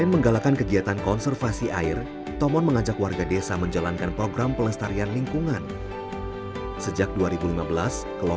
negara negara tawuk dua tahun elkumpulan buat berbentuk di ibu lalu